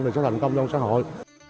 thì sẽ thành công trong xã hội